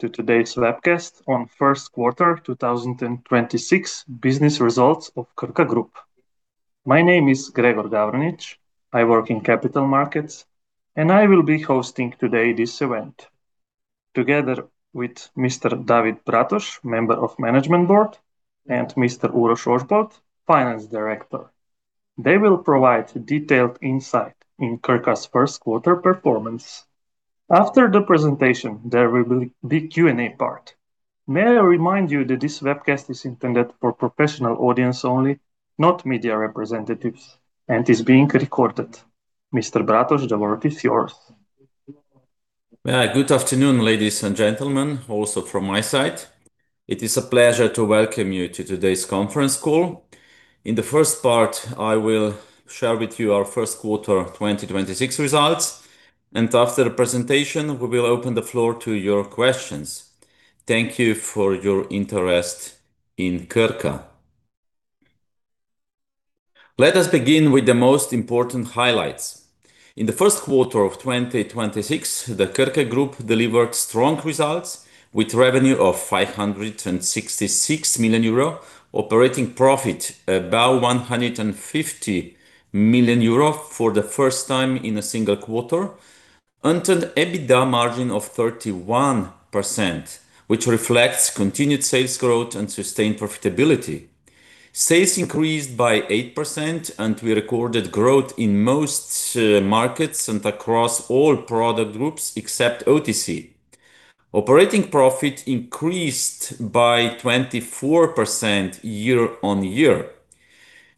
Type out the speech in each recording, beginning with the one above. To today's webcast on first quarter 2026 business results of Krka Group. My name is Gregor Gavranič. I work in capital markets, I will be hosting today this event. Together with Mr. David Bratož, Member of the Management Board, and Mr. Uroš Ožbolt, Director of Finance. They will provide detailed insight in Krka's first quarter performance. After the presentation, there will be Q&A part. May I remind you that this webcast is intended for professional audience only, not media representatives, and is being recorded. Mr. Bratož, the floor is yours. Good afternoon, ladies and gentlemen, also from my side. It is a pleasure to welcome you to today's conference call. In the first part, I will share with you our first quarter 2026 results, and after the presentation, we will open the floor to your questions. Thank you for your interest in Krka. Let us begin with the most important highlights. In the first quarter of 2026, the Krka Group delivered strong results with revenue of 566 million euro, operating profit above 150 million euro for the first time in a single quarter, and an EBITDA margin of 31%, which reflects continued sales growth and sustained profitability. Sales increased by 8%, and we recorded growth in most markets and across all product groups except OTC. Operating profit increased by 24% year-on-year.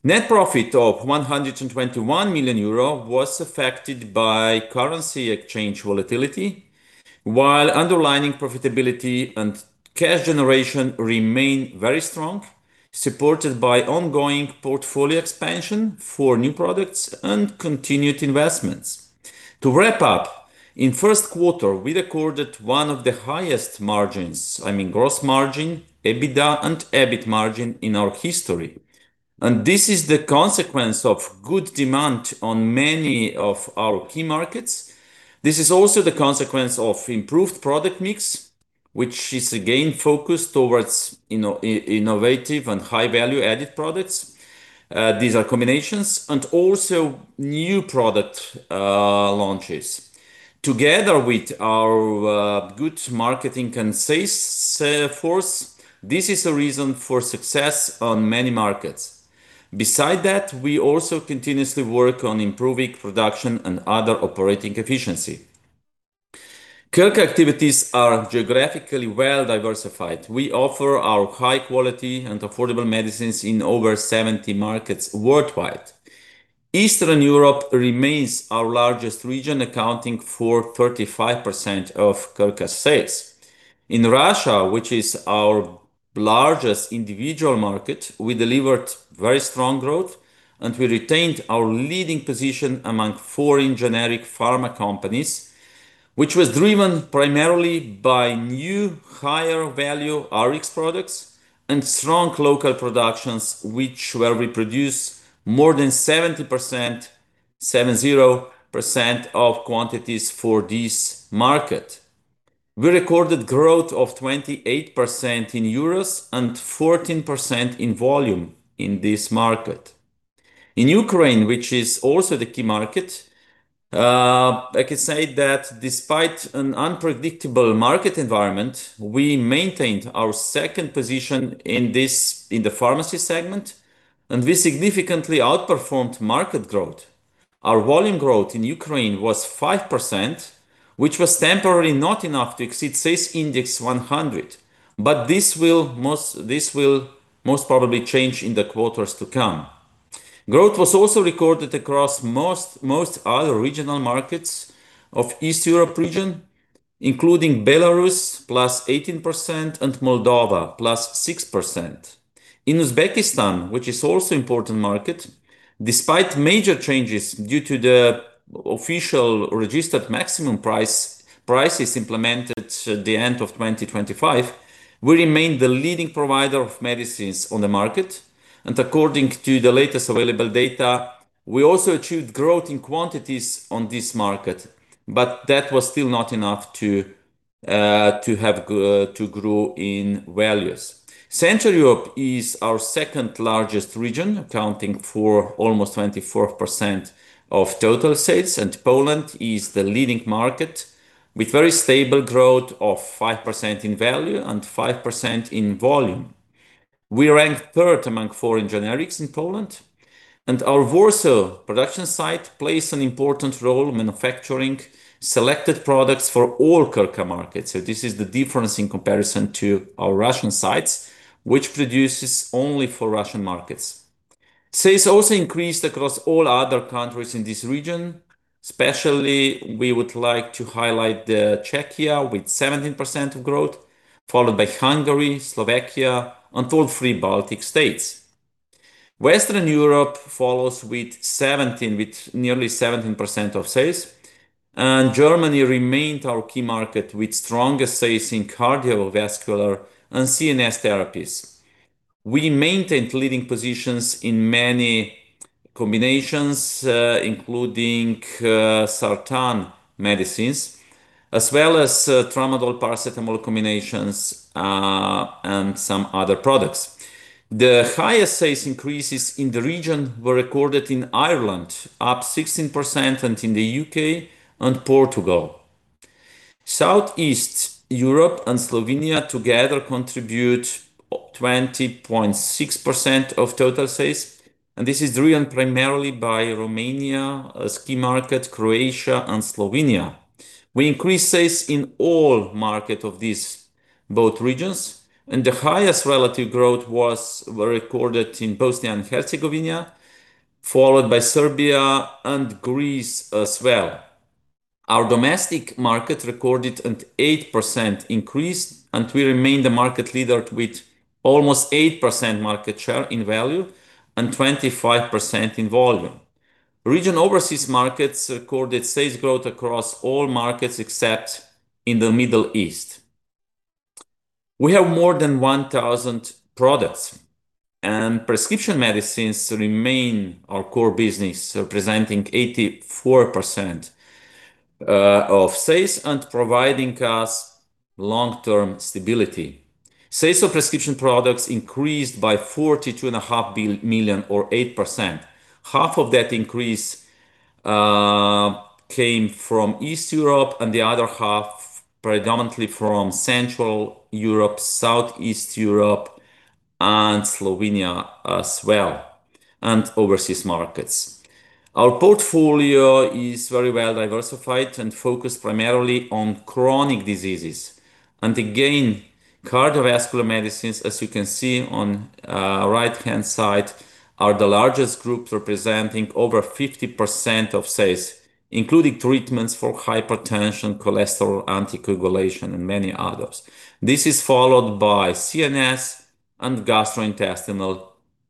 Net profit of 121 million euro was affected by currency exchange volatility, while underlying profitability and cash generation remain very strong, supported by ongoing portfolio expansion for new products and continued investments. To wrap up, in first quarter, we recorded one of the highest margins, I mean, gross margin, EBITDA and EBIT margin in our history. This is the consequence of good demand on many of our key markets. This is also the consequence of improved product mix, which is again focused towards innovative and high value-added products. These are combinations and also new product launches. Together with our good marketing and sales force, this is a reason for success on many markets. Beside that, we also continuously work on improving production and other operating efficiency. Krka activities are geographically well-diversified. We offer our high quality and affordable medicines in over 70 markets worldwide. Eastern Europe remains our largest region, accounting for 35% of Krka sales. In Russia, which is our largest individual market, we delivered very strong growth, we retained our leading position among foreign generic pharma companies, which was driven primarily by new higher value RX products and strong local productions, which were reproduced more than 70%, 70% of quantities for this market. We recorded growth of 28% in euros and 14% in volume in this market. In Ukraine, which is also the key market, I could say that despite an unpredictable market environment, we maintained our second position in this, in the pharmacy segment, we significantly outperformed market growth. Our volume growth in Ukraine was 5%, which was temporarily not enough to exceed sales index 100. This will most probably change in the quarters to come. Growth was also recorded across most other regional markets of East Europe region, including Belarus, +18%, and Moldova, +6%. In Uzbekistan, which is also important market, despite major changes due to the official registered maximum price, prices implemented at the end of 2025, we remain the leading provider of medicines on the market. According to the latest available data, we also achieved growth in quantities on this market, but that was still not enough to grow in values. Central Europe is our second largest region, accounting for almost 24% of total sales, and Poland is the leading market with very stable growth of 5% in value and 5% in volume. We rank third among foreign generics in Poland, and our Warsaw production site plays an important role manufacturing selected products for all Krka markets. This is the difference in comparison to our Russian sites, which produces only for Russian markets. Sales also increased across all other countries in this region. Especially, we would like to highlight the Czechia with 17% of growth, followed by Hungary, Slovakia, and all three Baltic states. Western Europe follows with nearly 17% of sales, and Germany remained our key market with strongest sales in cardiovascular and CNS therapies. We maintained leading positions in many combinations, including sartan medicines, as well as tramadol-paracetamol combinations, and some other products. The highest sales increases in the region were recorded in Ireland, up 16%, and in the U.K. and Portugal. Southeast Europe and Slovenia together contribute 20.6% of total sales. This is driven primarily by Romania, a key market, Croatia and Slovenia. We increased sales in all markets of these both regions. The highest relative growth were recorded in Bosnia and Herzegovina, followed by Serbia and Greece as well. Our domestic market recorded an 8% increase. We remain the market leader with almost 8% market share in value and 25% in volume. Region overseas markets recorded sales growth across all markets except in the Middle East. We have more than 1,000 products. Prescription medicines remain our core business, representing 84% of sales and providing us long-term stability. Sales of prescription products increased by 42,500,000, or 8%. Half of that increase came from East Europe and the other half predominantly from Central Europe, Southeast Europe and Slovenia as well, and overseas markets. Our portfolio is very well-diversified and focused primarily on chronic diseases. Again, cardiovascular medicines, as you can see on right-hand side, are the largest group, representing over 50% of sales, including treatments for hypertension, cholesterol, anticoagulation, and many others. This is followed by CNS and gastrointestinal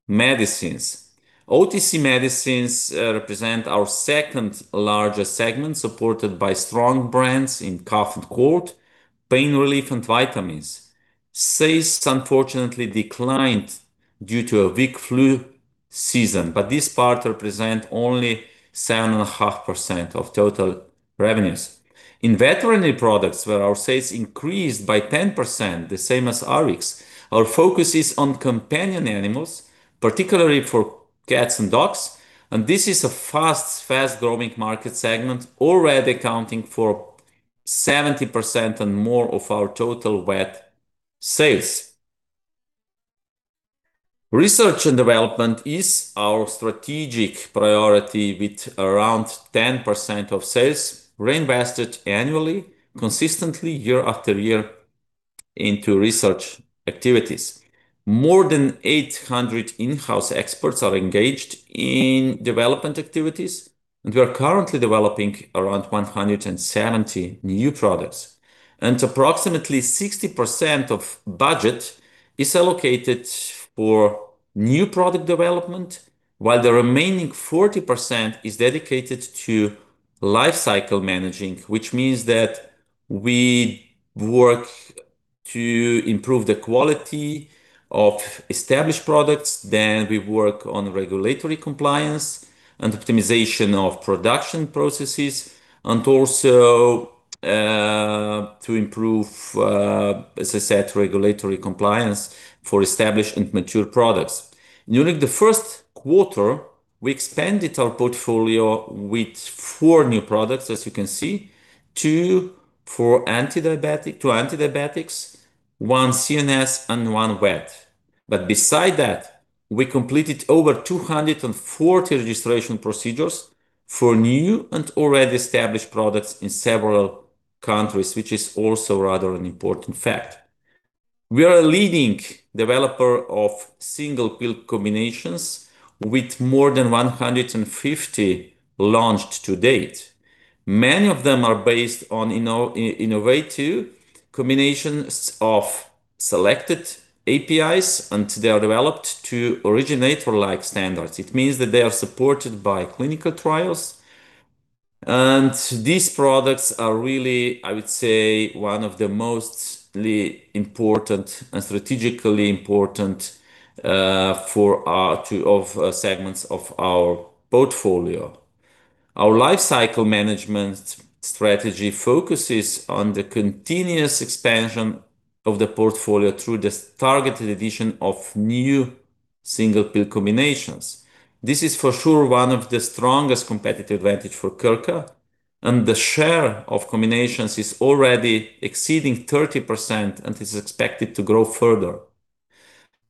medicines. OTC medicines represent our second-largest segment, supported by strong brands in cough and cold, pain relief, and vitamins. Sales unfortunately declined due to a weak flu season, but this part represent only 7.5% of total revenues. In veterinary products, where our sales increased by 10%, the same as Rx, our focus is on companion animals, particularly for cats and dogs, and this is a fast, fast-growing market segment, already accounting for 70% and more of our total vet sales. Research and development is our strategic priority, with around 10% of sales reinvested annually, consistently year after year into research activities. More than 800 in-house experts are engaged in development activities. We are currently developing around 170 new products. Approximately 60% of budget is allocated for new product development, while the remaining 40% is dedicated to life cycle managing, which means that we work to improve the quality of established products. We work on regulatory compliance and optimization of production processes, and also to improve, as I said, regulatory compliance for established and mature products. During the first quarter, we expanded our portfolio with four new products, as you can see, two antidiabetics, one CNS and one vet. Beside that, we completed over 240 registration procedures for new and already established products in several countries, which is also rather an important fact. We are a leading developer of single-pill combinations with more than 150 launched to date. Many of them are based on innovative combinations of selected APIs, and they are developed to originator-like standards. It means that they are supported by clinical trials. These products are really, I would say, one of the most important and strategically important for our two segments of our portfolio. Our life cycle management strategy focuses on the continuous expansion of the portfolio through the targeted addition of new single-pill combinations. This is for sure one of the strongest competitive advantages for Krka, and the share of combinations is already exceeding 30% and is expected to grow further.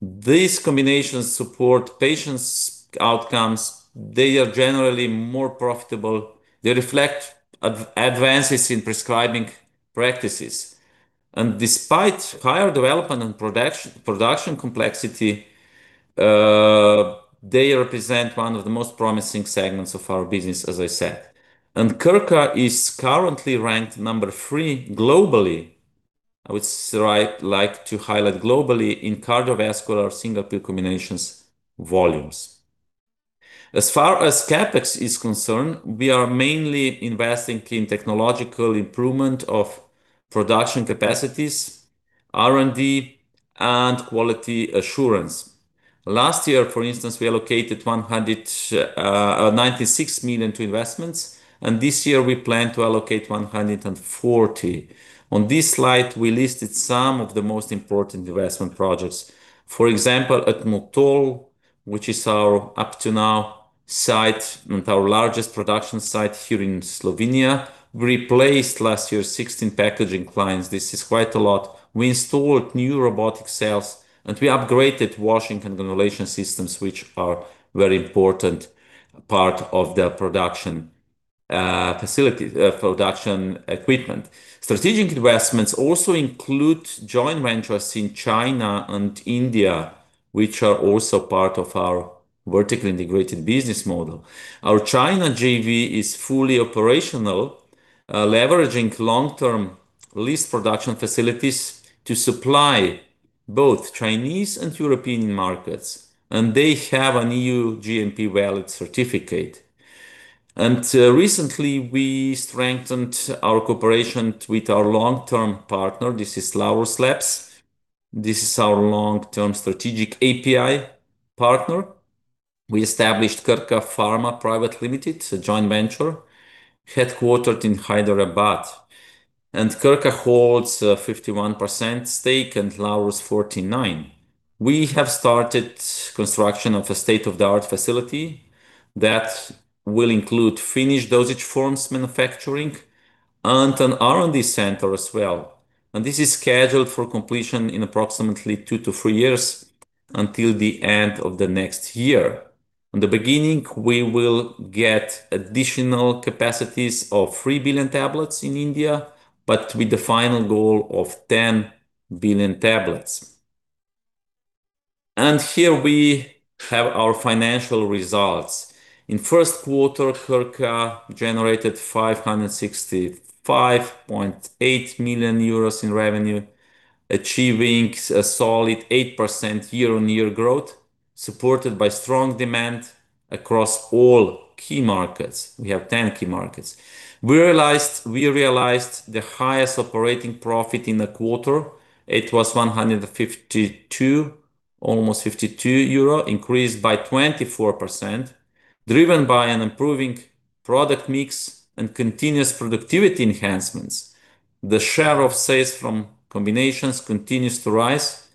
These combinations support patients' outcomes. They are generally more profitable. They reflect advances in prescribing practices. Despite higher development and production complexity, they represent one of the most promising segments of our business, as I said. Krka is currently ranked number three globally, I would like to highlight globally, in cardiovascular single-pill combinations volumes. As far as CapEx is concerned, we are mainly investing in technological improvement of production capacities, R&D, and quality assurance. Last year, for instance, we allocated 196 million to investments, and this year we plan to allocate 140. On this slide, we listed some of the most important investment projects. For example, at Murska Sobota, which is our up to now site and our largest production site here in Slovenia, we replaced last year 16 packaging lines. This is quite a lot. We installed new robotic cells, and we upgraded washing and granulation systems, which are very important part of the production facilities, production equipment. Strategic investments also include joint ventures in China and India, which are also part of our vertically integrated business model. Our China JV is fully operational, leveraging long-term lease production facilities to supply both Chinese and European markets. They have an EU GMP valid certificate. Recently, we strengthened our cooperation with our long-term partner. This is Laurus Labs. This is our long-term strategic API partner. We established Krka Pharma Private Limited, a joint venture headquartered in Hyderabad. Krka holds a 51% stake and Laurus 49. We have started construction of a state-of-the-art facility that will include finished dosage forms manufacturing and an R&D center as well. This is scheduled for completion in approximately 2-3 years until the end of the next year. In the beginning, we will get additional capacities of 3 billion tablets in India, with the final goal of 10 billion tablets. Here we have our financial results. In first quarter, Krka generated 565.8 million euros in revenue, achieving a solid 8% year-over-year growth, supported by strong demand across all key markets. We have 10 key markets. We realized the highest operating profit in a quarter. It was 152, almost 52 euro, increased by 24%, driven by an improving product mix and continuous productivity enhancements. The share of sales from combinations continues to rise,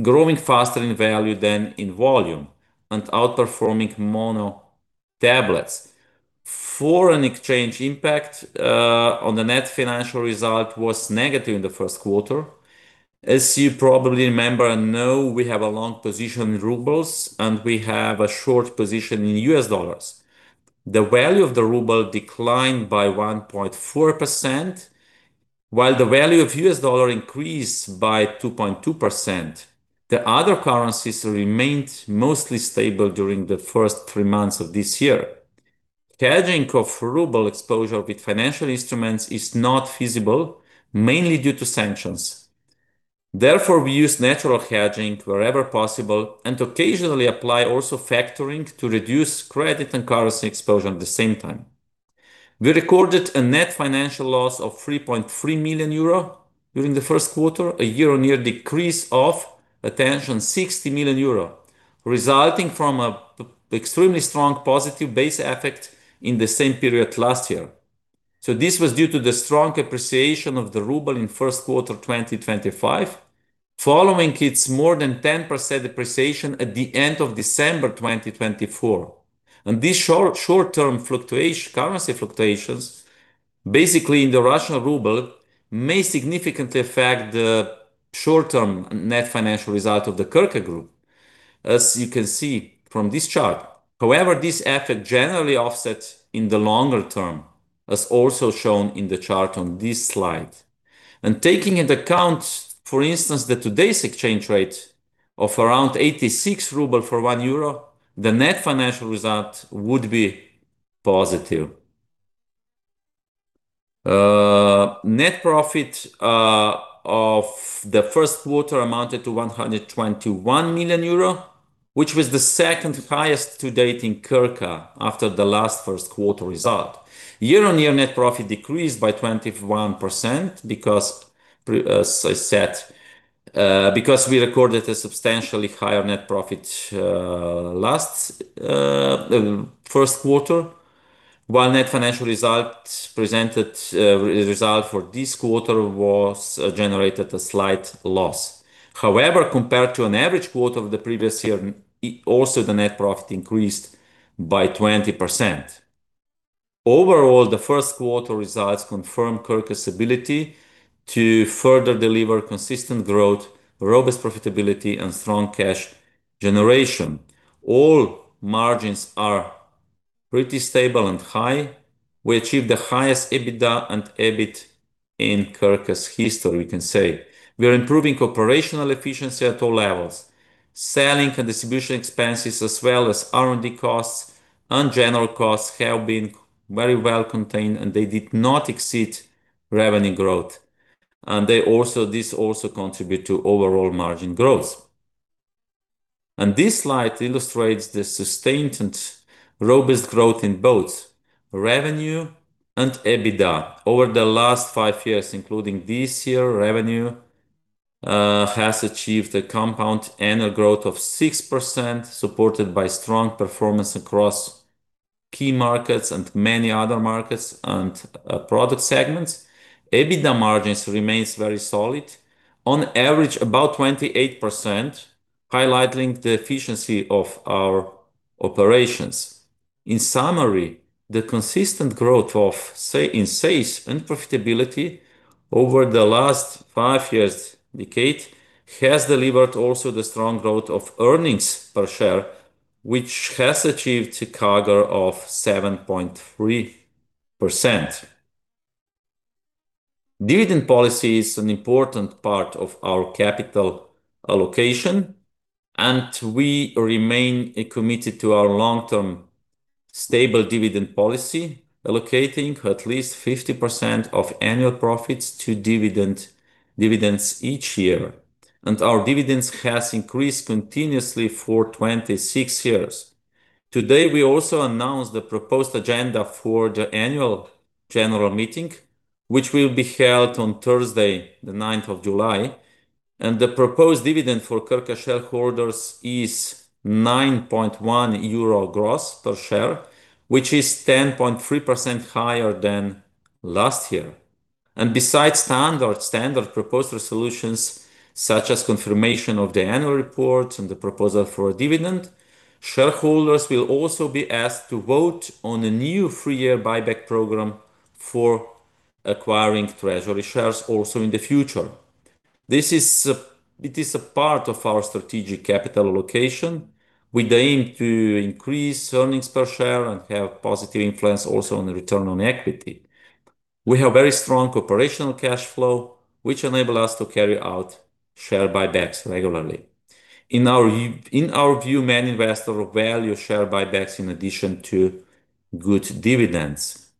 growing faster in value than in volume and outperforming mono tablets. Foreign exchange impact on the net financial result was negative in the first quarter. As you probably remember and know, we have a long position in Rubles, and we have a short position in US dollars. The value of the Ruble declined by 1.4%, while the value of US dollar increased by 2.2%. The other currencies remained mostly stable during the first three months of this year. Hedging of Ruble exposure with financial instruments is not feasible, mainly due to sanctions. Therefore, we use natural hedging wherever possible and occasionally apply also factoring to reduce credit and currency exposure at the same time. We recorded a net financial loss of 3.3 million euro during the first quarter, a year-over-year decrease of, attention, 60 million euro, resulting from a extremely strong positive base effect in the same period last year. This was due to the strong appreciation of the Ruble in first quarter 2025, following its more than 10% depreciation at the end of December 2024. These short-term currency fluctuations, basically in the Russian Ruble, may significantly affect the short-term net financial result of the Krka Group, as you can see from this chart. However, this effect generally offsets in the longer term, as also shown in the chart on this slide. Taking into account, for instance, the today's exchange rate of around 86 rubles for 1 euro, the net financial result would be positive. Net profit of the first quarter amounted to 121 million euro, which was the second highest to date in Krka after the last first quarter result. Year-on-year net profit decreased by 21% because as I said, because we recorded a substantially higher net profit last first quarter. While net financial results presented result for this quarter was generated a slight loss. However, compared to an average quarter of the previous year, it also the net profit increased by 20%. Overall, the first quarter results confirm Krka's ability to further deliver consistent growth, robust profitability, and strong cash generation. All margins are pretty stable and high. We achieved the highest EBITDA and EBIT in Krka's history, we can say. We are improving operational efficiency at all levels. Selling and distribution expenses, as well as R&D costs general costs have been very well contained, and they did not exceed revenue growth. This also contribute to overall margin growth. This slide illustrates the sustained and robust growth in both revenue and EBITDA. Over the last five years, including this year, revenue has achieved a compound annual growth of 6%, supported by strong performance across key markets and many other markets and product segments. EBITDA margins remains very solid, on average, about 28%, highlighting the efficiency of our operations. In summary, the consistent growth in sales and profitability over the last five years, decade, has delivered also the strong growth of earnings per share, which has achieved a CAGR of 7.3%. Dividend policy is an important part of our capital allocation, we remain committed to our long-term stable dividend policy, allocating at least 50% of annual profits to dividends each year. Our dividends has increased continuously for 26 years. Today, we also announced the proposed agenda for the annual general meeting, which will be held on Thursday, the 9th of July. The proposed dividend for Krka shareholders is 9.1 euro gross per share, which is 10.3% higher than last year. Besides standard proposed resolutions, such as confirmation of the annual report and the proposal for a dividend, shareholders will also be asked to vote on a new three year buyback program for acquiring treasury shares also in the future. It is a part of our strategic capital allocation. We aim to increase earnings per share and have positive influence also on the return on equity. We have very strong operational cash flow, which enable us to carry out share buybacks regularly. In our view, many investor value share buybacks in addition to good dividends.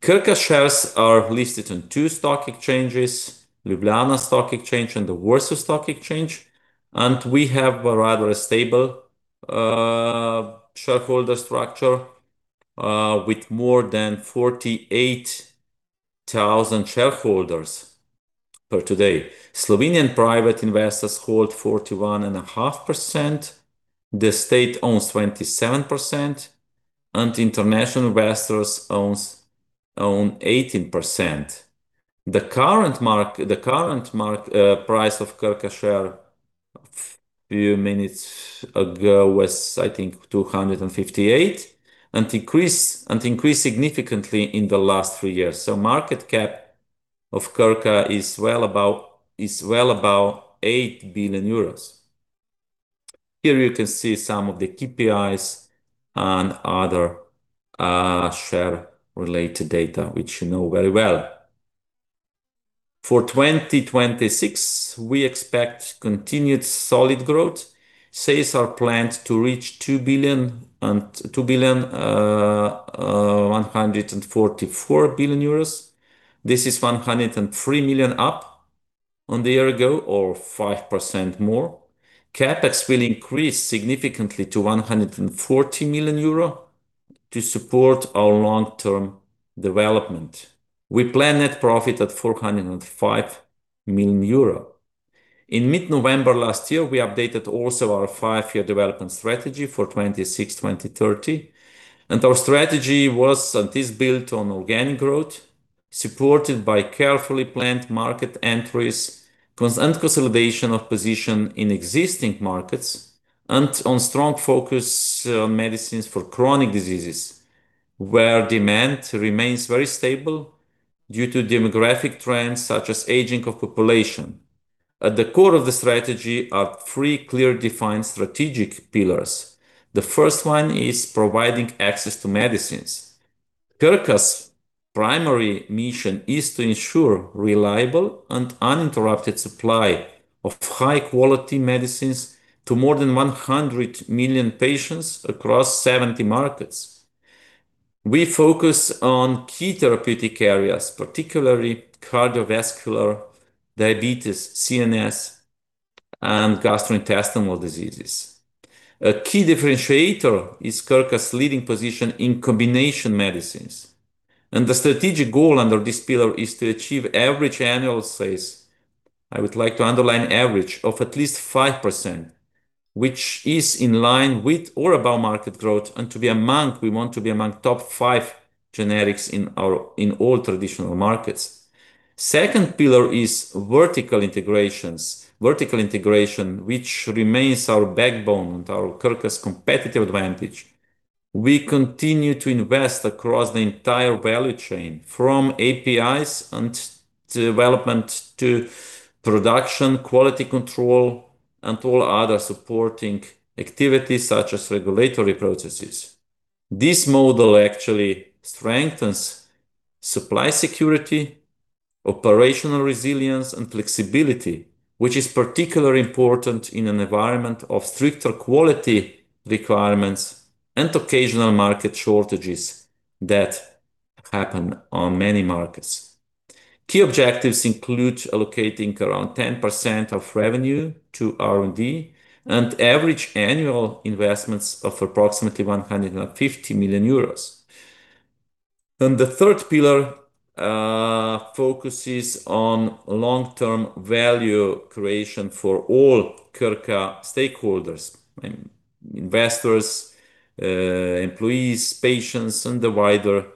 Krka shares are listed on two stock exchanges, Ljubljana Stock Exchange and the Warsaw Stock Exchange, and we have a rather stable shareholder structure with more than 48,000 shareholders per today. Slovenian private investors hold 41.5%, the state owns 27%, and international investors own 18%. The current market price of Krka share a few minutes ago was, I think, 258, and increased significantly in the last three years. Market cap of Krka is well about 8 billion euros. Here you can see some of the KPIs on other share related data, which you know very well. For 2026, we expect continued solid growth. Sales are planned to reach 2 billion, 144 billion euros. This is 103 million up on the year ago or 5% more. CapEx will increase significantly to 140 million euro to support our long-term development. We plan net profit at 405 million euro. In mid-November last year, we updated also our five-year development strategy for 2026, 2030. Our strategy was, and is built on organic growth, supported by carefully planned market entries and consolidation of position in existing markets, and on strong focus, medicines for chronic diseases, where demand remains very stable due to demographic trends such as aging of population. At the core of the strategy are three clear defined strategic pillars. The first one is providing access to medicines. Krka's primary mission is to ensure reliable and uninterrupted supply of high quality medicines to more than 100 million patients across 70 markets. We focus on key therapeutic areas, particularly cardiovascular, diabetes, CNS, and gastrointestinal diseases. A key differentiator is Krka's leading position in combination medicines, the strategic goal under this pillar is to achieve average annual sales, I would like to underline average, of at least 5%, which is in line with or above market growth. We want to be among top five generics in our, in all traditional markets. Second pillar is vertical integrations. Vertical integration, which remains our backbone and our Krka's competitive advantage. We continue to invest across the entire value chain, from APIs and development to production, quality control, and all other supporting activities such as regulatory processes. This model actually strengthens supply security, operational resilience and flexibility, which is particularly important in an environment of stricter quality requirements and occasional market shortages that happen on many markets. Key objectives include allocating around 10% of revenue to R&D, and average annual investments of approximately 150 million euros. The third pillar focuses on long-term value creation for all Krka stakeholders and investors, employees, patients, and the wider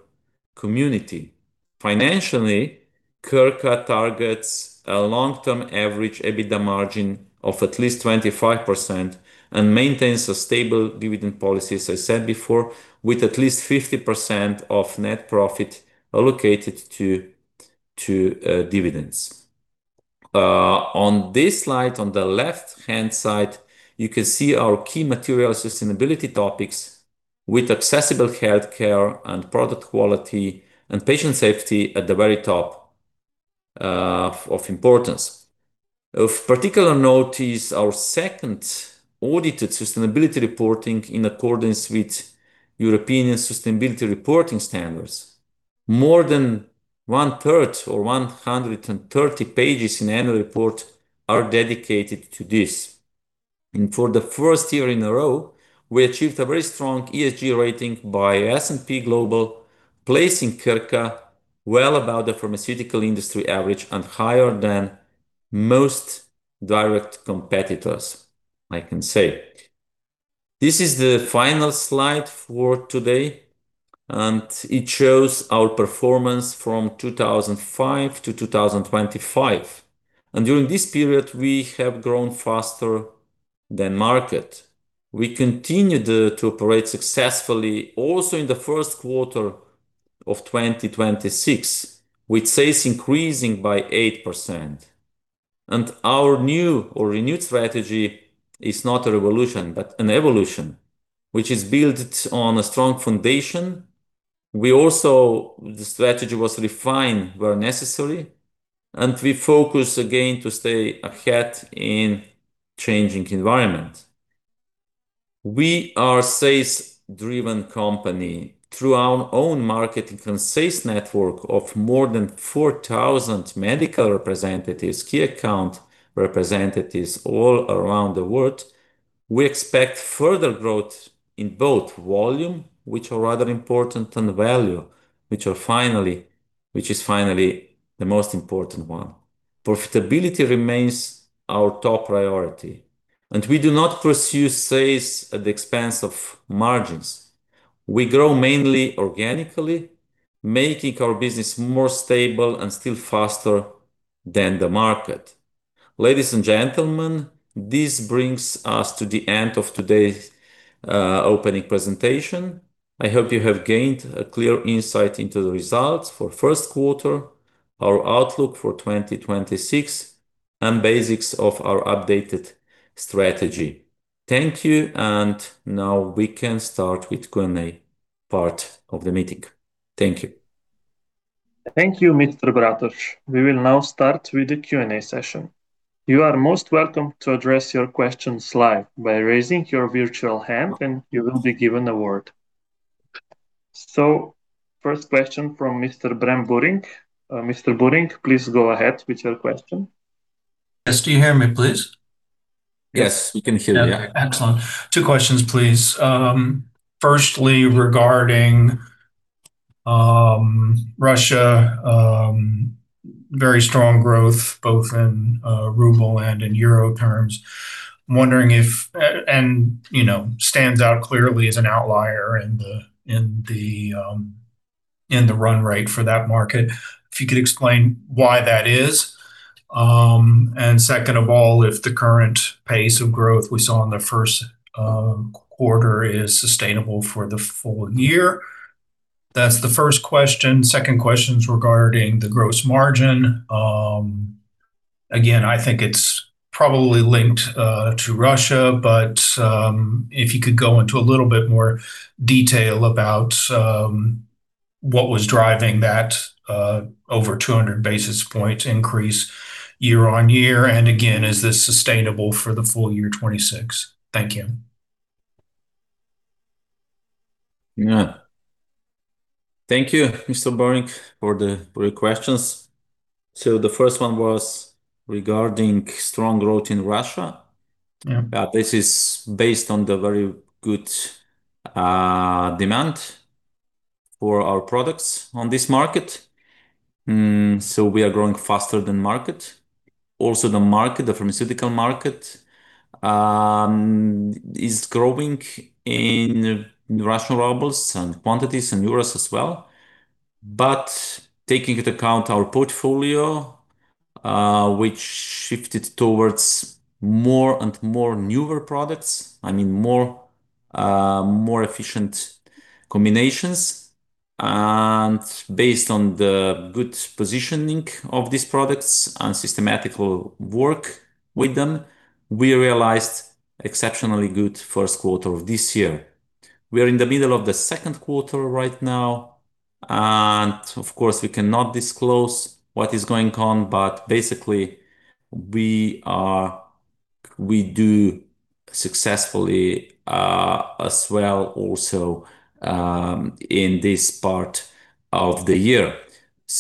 community. Financially, Krka targets a long-term average EBITDA margin of at least 25% and maintains a stable dividend policy, as I said before, with at least 50% of net profit allocated to dividends. On this slide, on the left-hand side, you can see our key material sustainability topics with accessible health care and product quality and patient safety at the very top of importance. Of particular note is our second audited sustainability reporting in accordance with European Sustainability Reporting Standards. More than one-third or 130 pages in annual report are dedicated to this. For the first year in a row, we achieved a very strong ESG rating by S&P Global, placing Krka well above the pharmaceutical industry average and higher than most direct competitors, I can say. This is the final slide for today, it shows our performance from 2005 to 2025. During this period, we have grown faster than market. We continued to operate successfully also in the first quarter of 2026, with sales increasing by 8%. Our new or renewed strategy is not a revolution, but an evolution, which is built on a strong foundation. The strategy was refined where necessary, we focus again to stay ahead in changing environment. We are sales-driven company through our own marketing and sales network of more than 4,000 medical representatives, key account representatives all around the world. We expect further growth in both volume, which are rather important, and value, which is finally the most important one. Profitability remains our top priority. We do not pursue sales at the expense of margins. We grow mainly organically, making our business more stable and still faster than the market. Ladies and gentlemen, this brings us to the end of today's opening presentation. I hope you have gained a clear insight into the results for first quarter, our outlook for 2026, and basics of our updated strategy. Thank you. Now we can start with Q&A part of the meeting. Thank you. Thank you, Mr. Bratož. We will now start with the Q&A session. You are most welcome to address your questions live by raising your virtual hand, and you will be given a word. First question from Mr. Bram Buring. Mr. Buring, please go ahead with your question. Yes. Do you hear me please? Yes, we can hear you. Yeah. Excellent. Two questions, please. Firstly, regarding Russia, very strong growth both in Ruble and in Euro terms. I'm wondering if, and you know, stands out clearly as an outlier in the run rate for that market. If you could explain why that is. Second of all, if the current pace of growth we saw in the first quarter is sustainable for the full year. That's the first question. Second question is regarding the gross margin. Again, I think it's probably linked to Russia, but if you could go into a little bit more detail about what was driving that over 200 basis points increase year-on-year. Again, is this sustainable for the full year 2026? Thank you. Yeah. Thank you, Mr. Buring, for your questions. The first one was regarding strong growth in Russia. Yeah. This is based on the very good demand for our products on this market. We are growing faster than market. The market, the pharmaceutical market, is growing in Russian Rubles and quantities and euros as well. Taking into account our portfolio, which shifted towards more and more newer products, I mean more efficient combinations, and based on the good positioning of these products and systematical work with them, we realized exceptionally good first quarter of this year. We are in the middle of the second quarter right now, and of course we cannot disclose what is going on. Basically we are, we do successfully as well also in this part of the year.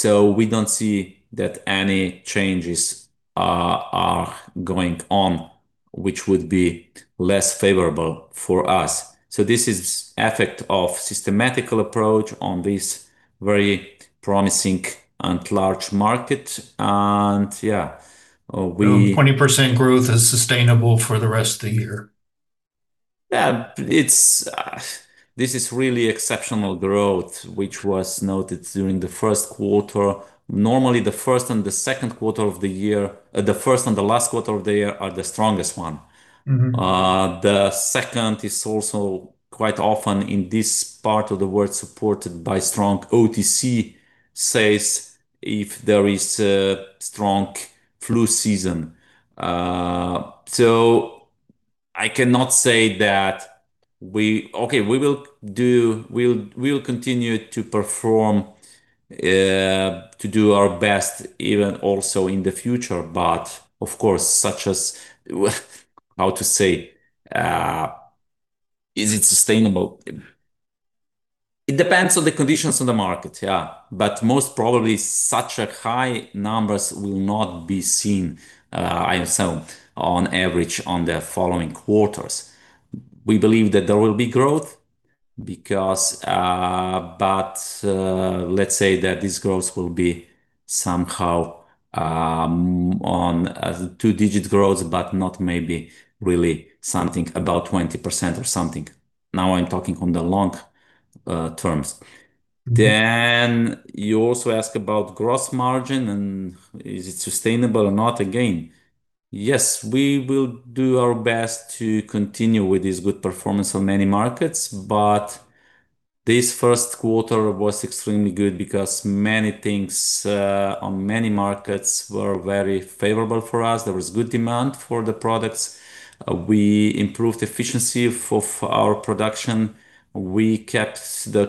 We don't see that any changes are going on which would be less favorable for us. This is effect of systematic approach on this very promising and large market. yeah. 20% growth is sustainable for the rest of the year. Yeah. It's this is really exceptional growth, which was noted during the first quarter. Normally, the first and the last quarter of the year are the strongest one. The second is also quite often in this part of the world supported by strong OTC sales if there is a strong flu season. I cannot say that we Okay, we will continue to perform to do our best even also in the future. Of course, such as, how to say, is it sustainable? It depends on the conditions of the market. Yeah. Most probably such high numbers will not be seen, I assume, on average on the following quarters. We believe that there will be growth because let's say that this growth will be somehow on a two-digit growth, but not maybe really something about 20% or something. Now I'm talking on the long terms. You also ask about gross margin and is it sustainable or not? Yes, we will do our best to continue with this good performance on many markets, but this first quarter was extremely good because many things on many markets were very favorable for us. There was good demand for the products. We improved efficiency for our production. We kept the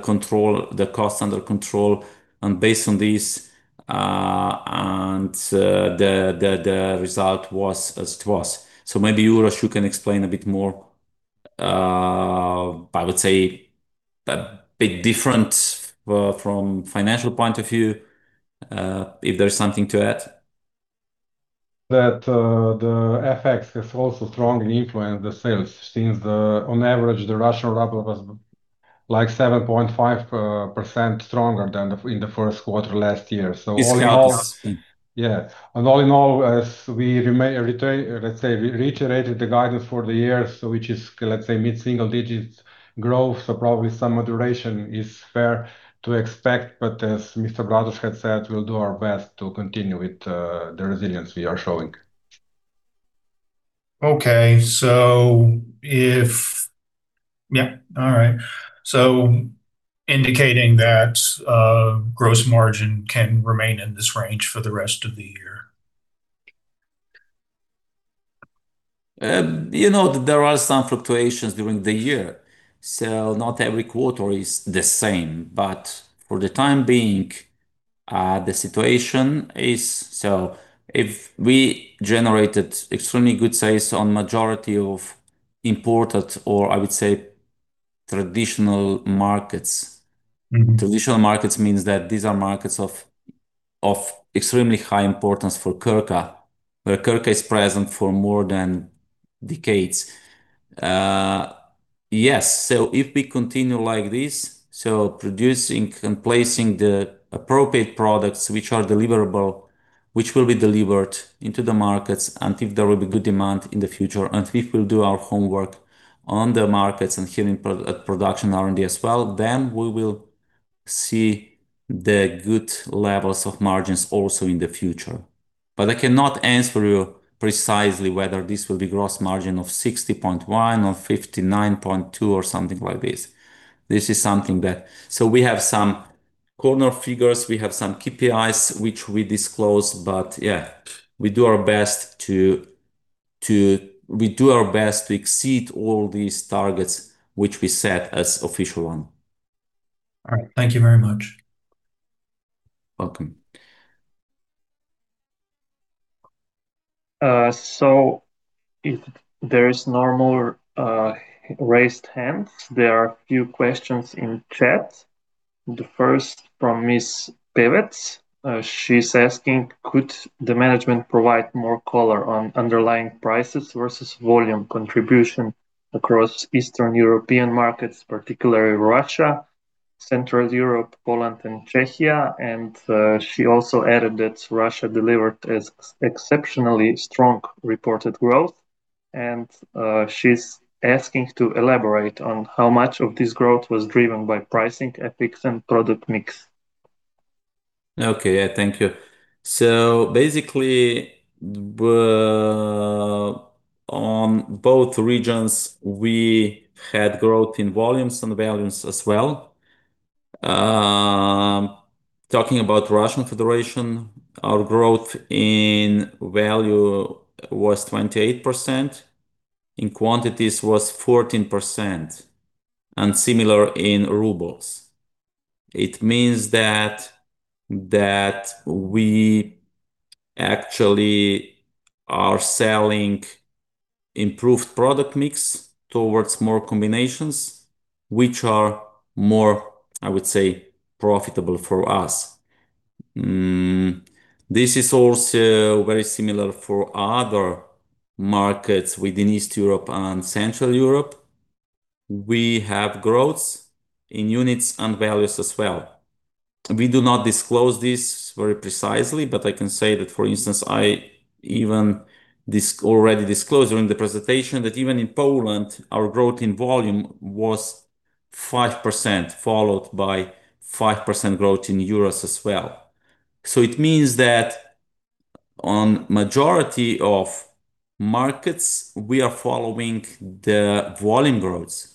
cost under control and based on this, and the result was as it was. Maybe you, Uroš Ožbolt, you can explain a bit more, I would say a bit different, from financial point of view, if there's something to add. That, the FX has also strongly influenced the sales since the, on average, the Russian Ruble was like 7.5% stronger than the, in the first quarter last year. It's chaos. Yeah. All in all, as we let's say, reiterated the guidance for the year, which is, let's say, mid-single digits growth. Probably some moderation is fair to expect. As Mr. David Bratož had said, we'll do our best to continue with the resilience we are showing. Okay. Yeah. All right. Indicating that, gross margin can remain in this range for the rest of the year. You know, there are some fluctuations during the year, so not every quarter is the same. For the time being, the situation is, if we generated extremely good sales on majority of imported or I would say traditional markets. Traditional markets means that these are markets of extremely high importance for Krka, where Krka is present for more than decades. Yes. If we continue like this, so producing and placing the appropriate products which are deliverable, which will be delivered into the markets, and if there will be good demand in the future, and if we'll do our homework on the markets and here in production R&D as well, then we will see the good levels of margins also in the future. I cannot answer you precisely whether this will be gross margin of 60.1 or 59.2 or something like this. We have some corner figures, we have some KPIs which we disclose. Yeah, we do our best to exceed all these targets which we set as official one. All right. Thank you very much. Welcome. If there is no more raised hands, there are a few questions in chat. The first from Miss Beets. She's asking, could the management provide more color on underlying prices versus volume contribution across Eastern European markets, particularly Russia, Central Europe, Poland and Czechia? She also added that Russia delivered exceptionally strong reported growth. She's asking to elaborate on how much of this growth was driven by pricing effects and product mix. Okay. Yeah. Thank you. Basically, on both regions we had growth in volumes and values as well. Talking about Russian Federation, our growth in value was 28%. In quantities was 14%. Similar in Rubles. It means that we actually are selling improved product mix towards more combinations, which are more, I would say, profitable for us. This is also very similar for other markets within East Europe and Central Europe. We have growths in units and values as well. We do not disclose this very precisely, but I can say that for instance I even already disclosed during the presentation that even in Poland, our growth in volume was 5%, followed by 5% growth in Euros as well. It means that on majority of markets, we are following the volume growths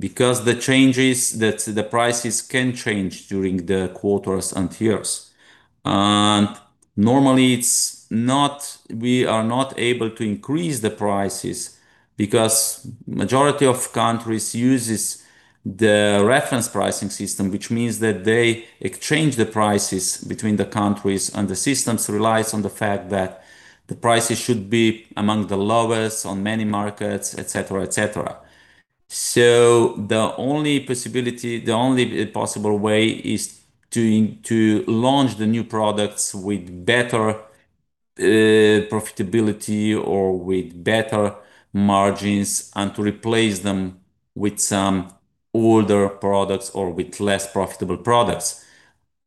because the changes that the prices can change during the quarters and years. Normally we are not able to increase the prices because majority of countries uses the reference pricing system, which means that they exchange the prices between the countries and the systems relies on the fact that the prices should be among the lowest on many markets, et cetera, et cetera. The only possibility, the only possible way is to launch the new products with better profitability or with better margins and to replace them with some older products or with less profitable products.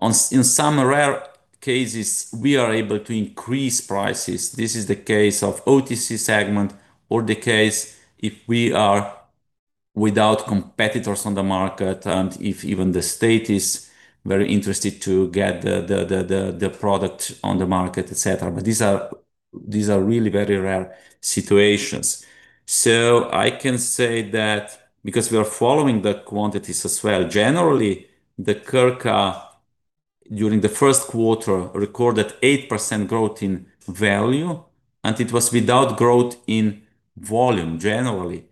In some rare cases, we are able to increase prices. This is the case of OTC segment or the case if we are without competitors on the market and if even the state is very interested to get the product on the market, et cetera. These are really very rare situations. I can say that because we are following the quantities as well. Generally, Krka during the first quarter recorded 8% growth in value, and it was without growth in volume generally.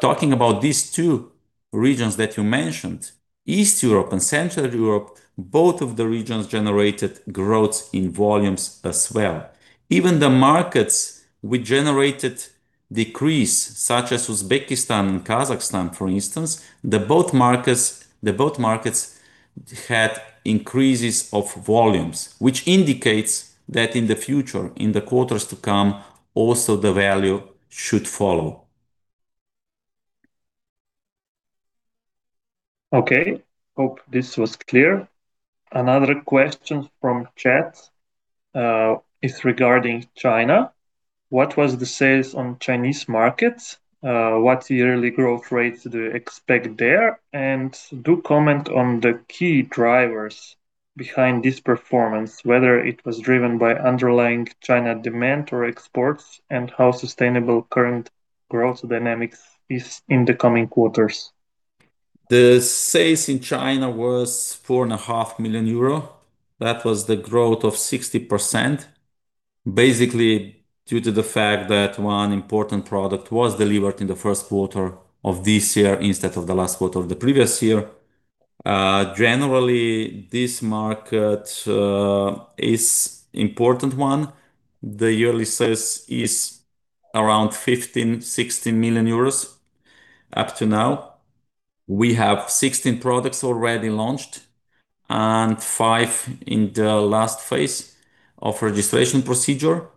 Talking about these two regions that you mentioned, East Europe and Central Europe, both of the regions generated growth in volumes as well. Even the markets we generated decrease, such as Uzbekistan and Kazakhstan, for instance. The both markets had increases of volumes, which indicates that in the future, in the quarters to come, also the value should follow. Okay. Hope this was clear. Another question from chat is regarding China. What was the sales on Chinese markets? What yearly growth rates do you expect there? Do comment on the key drivers behind this performance, whether it was driven by underlying China demand or exports, and how sustainable current growth dynamics is in the coming quarters. The sales in China was 4,500,000 euro. That was the growth of 60%, basically due to the fact that one important product was delivered in the first quarter of this year instead of the last quarter of the previous year. Generally, this market is important one. The yearly sales is around 15 million-16 million euros up to now. We have 16 products already launched and five in the last phase of registration procedure.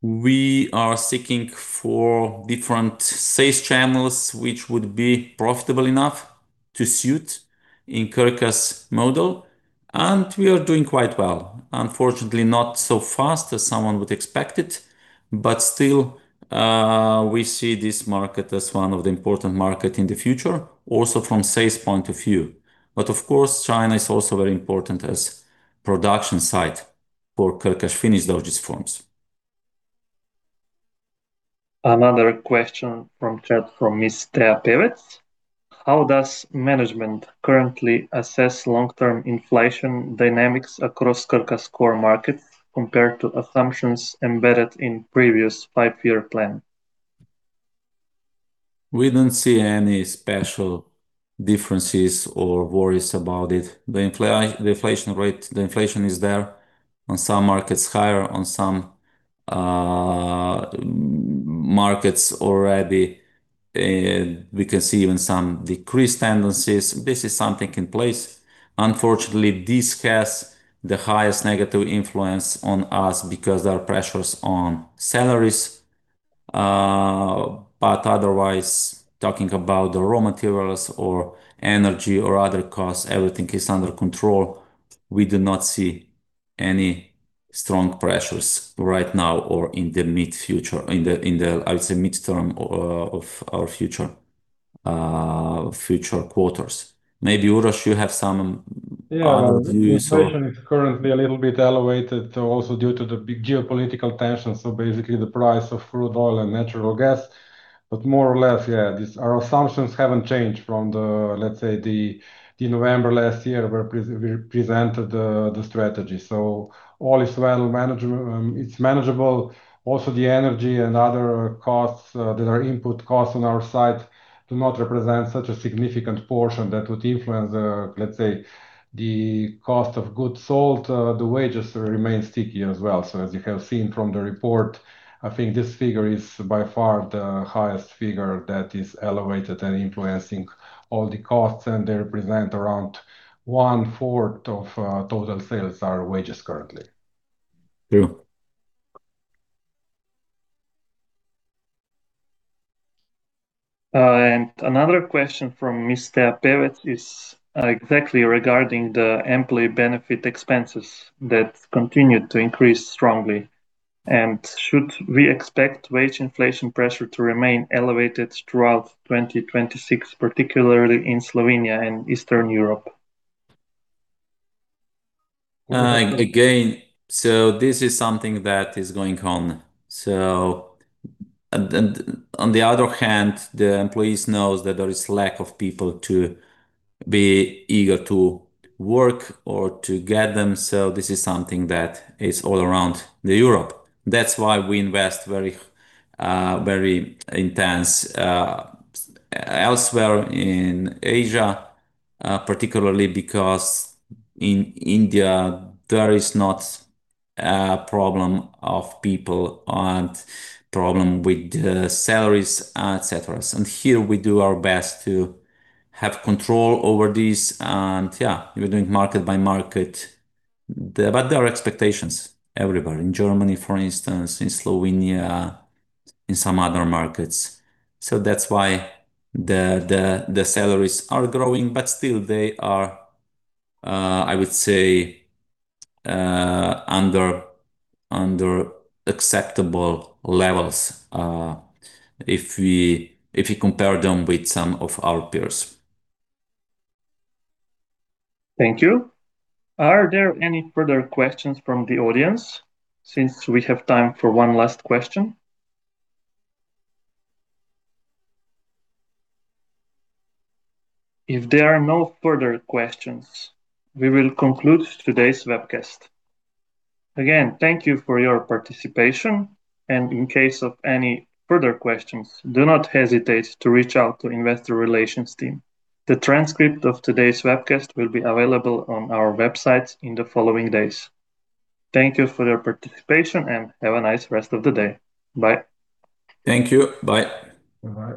We are seeking for different sales channels which would be profitable enough to suit in Krka's model, and we are doing quite well. Unfortunately, not so fast as someone would expect it, but still, we see this market as one of the important market in the future, also from sales point of view. Of course, China is also very important as production site for Krka's finished dosage forms. Another question from chat from Miss Tea Pevec. How does management currently assess long-term inflation dynamics across Krka's core markets compared to assumptions embedded in previous five-year plan? We don't see any special differences or worries about it. The inflation rate. The inflation is there. On some markets higher, on some markets already, we can see even some decreased tendencies. This is something in place. Unfortunately, this has the highest negative influence on us because there are pressures on salaries. Otherwise, talking about the raw materials or energy or other costs, everything is under control. We do not see any strong pressures right now or in the mid future. In the, I would say, midterm of our future quarters. Maybe Uroš you have some. Yeah. The inflation is currently a little bit elevated also due to the big geopolitical tension. Basically the price of crude oil and natural gas. More or less, yeah, Our assumptions haven't changed from the, let's say, the November last year where we presented the strategy. All is well, it's manageable. Also the energy and other costs that are input costs on our side do not represent such a significant portion that would influence, let's say, the cost of goods sold. The wages remain sticky as well. As you have seen from the report, I think this figure is by far the highest figure that is elevated and influencing all the costs and they represent around 1/4 of total sales are wages currently. Thank you. Another question from Mr. Pevec is exactly regarding the employee benefit expenses that continue to increase strongly. Should we expect wage inflation pressure to remain elevated throughout 2026, particularly in Slovenia and Eastern Europe? Again, this is something that is going on. On the other hand, the employees know that there is lack of people to be eager to work or to get them. This is something that is all around Europe. That's why we invest very, very intense elsewhere in Asia, particularly because in India there is not a problem of people and problem with the salaries, etc. Here we do our best to have control over this and, yeah, we're doing market by market. There are expectations everywhere. In Germany, for instance, in Slovenia, in some other markets. That's why the salaries are growing, but still they are, I would say, under acceptable levels, if we compare them with some of our peers. Thank you. Are there any further questions from the audience since we have time for one last question? If there are no further questions, we will conclude today's webcast. Again, thank you for your participation. In case of any further questions, do not hesitate to reach out to investor relations team. The transcript of today's webcast will be available on our website in the following days. Thank you for your participation and have a nice rest of the day. Bye. Thank you. Bye. Bye-bye.